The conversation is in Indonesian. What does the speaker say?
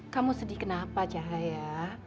kamu sedih kenapa cahaya